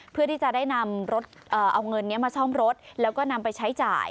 เพื่อที่จะได้นำรถเอาเงินนี้มาซ่อมรถแล้วก็นำไปใช้จ่าย